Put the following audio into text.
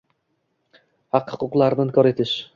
Haq-huquqlarni inkor etish